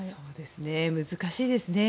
難しいですね。